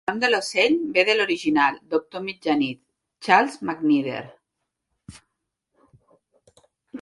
El nom de l'ocell ve de l'original Doctor Mitjanit, Charles McNider.